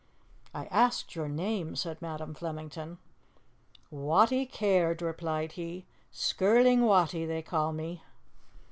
"I asked your name," said Madam Flemington. "Wattie Caird," replied he. "Skirling Wattie, they ca' me."